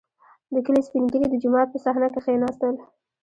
• د کلي سپین ږیري د جومات په صحنه کښېناستل.